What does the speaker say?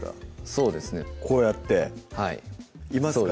そうですねこうやっていますか？